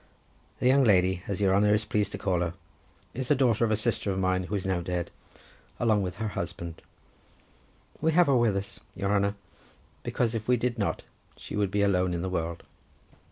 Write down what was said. "The young lady, as your haner is pleased to call her, is a daughter of a sister of mine who is now dead, along with her husband. We have her with us, your haner, because if we did not she would be alone in the world."